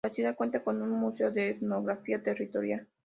La ciudad cuenta con un museo de etnografía territorial.